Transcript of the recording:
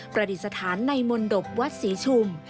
ประดิษฐานในมนตบวัดศรีชุม